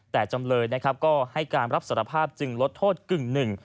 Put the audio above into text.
แต่จำเลยนะครับก็ให้การรับสารภาพจึงลดโทษกึ่งหนึ่ง